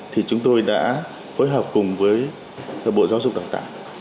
thì chúng tôi đã phối hợp cùng với bộ giáo dục đào tạo